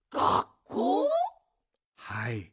「はい。